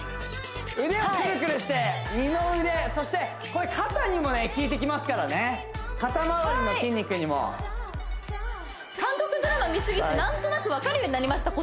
腕をくるくるして二の腕そしてこれ肩にもね効いてきますからね肩回りの筋肉にもはい韓国ドラマ見すぎて何となくわかるようになりました